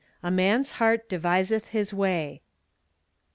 "A man's heart deviseth his way."